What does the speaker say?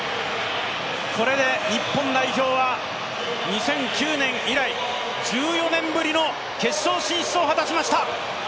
これで日本代表は２００９年以来、１４年ぶりの決勝進出を果たしました。